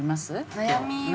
悩みは。